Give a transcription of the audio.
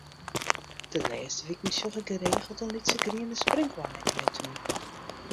De lêste wiken sjoch ik geregeld in lytse griene sprinkhoanne yn 'e tún.